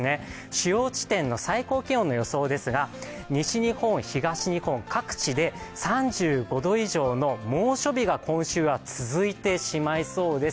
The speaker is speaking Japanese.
主要地点の最高気温ですが西日本、東日本、各地で３５度以上の猛暑日が今週は続いてしまいそうです。